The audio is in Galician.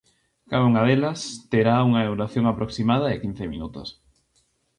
Cada unha delas terá unha duración aproximada de quince minutos.